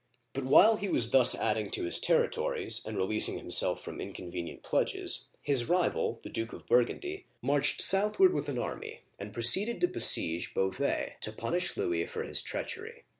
But while he was thus adding to his territories, and releasing himself from incon venient pledges, his rival, the Duke of Burgundy, marched southward with an army, and proceeded to besiege Beau vais, to punish Louis for his treachery.